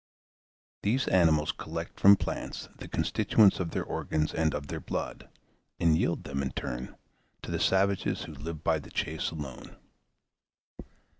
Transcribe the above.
These animals collect from plants the constituents of their organs and of their blood, and yield them, in turn, to the savages who live by the chase alone.